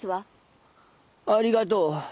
ありがとう。